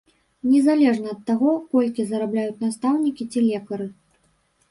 Незалежна ад таго, колькі зарабляюць настаўнікі ці лекары.